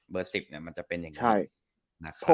เบอร์๑๐เนี่ยมันจะเป็นอย่างงี้